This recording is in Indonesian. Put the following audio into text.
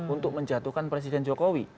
untuk menjatuhkan presiden jokowi